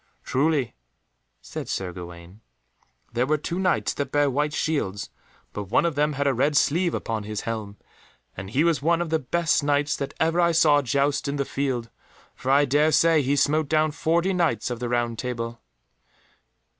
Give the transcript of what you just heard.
"Truly," said Sir Gawaine, "there were two Knights that bare white shields, but one of them had a red sleeve upon his helm, and he was one of the best Knights that ever I saw joust in the field, for I dare say he smote down forty Knights of the Table Round."